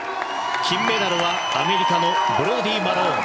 金メダルは、アメリカのブローディー・マローン。